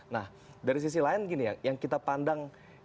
nah dari sisi lain gini ya yang kita pandang